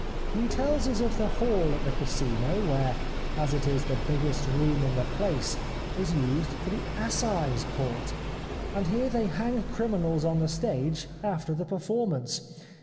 He tells us of the hall at the Casino, which, as it is the biggest room in the place, is used for the Assize Court, and here they hang criminals on the stage after the per formance.